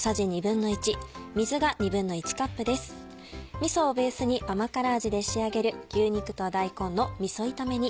みそをベースに甘辛味で仕上げる「牛肉と大根のみそ炒め煮」